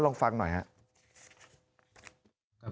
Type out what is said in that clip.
ลองฟังหน่อยครับ